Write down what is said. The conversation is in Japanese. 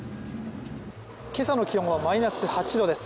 今朝の気温はマイナス８度です。